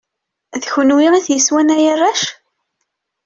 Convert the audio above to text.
D kunwi i t-yeswan ay arrac?